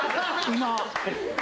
今。